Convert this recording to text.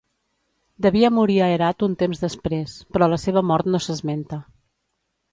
Devia morir a Herat un temps després, però la seva mort no s'esmenta.